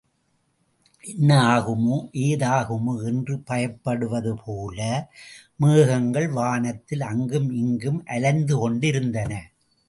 என்ன ஆகுமோ, ஏதாகுமோ என்று பயப்படுவதுபோல, மேகங்கள் வானத்தில் அங்குமிங்கும் அலைந்துகொண்டிருந்தன.